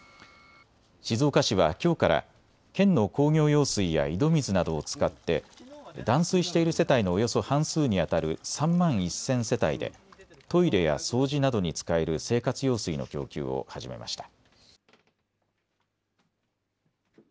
静岡市はきょうから県の工業用水や井戸水などを使って断水している世帯のおよそ半数にあたる３万１０００世帯でトイレや掃除などに使える生活用水の供給を始めました。